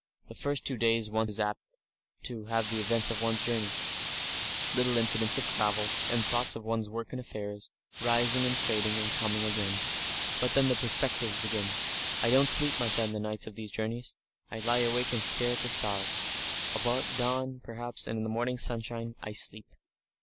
The first two days one is apt to have the events of one's journey, little incidents of travel, and thoughts of one's work and affairs, rising and fading and coming again; but then the perspectives begin. I don't sleep much at nights on these journeys; I lie awake and stare at the stars. About dawn, perhaps, and in the morning sunshine, I sleep!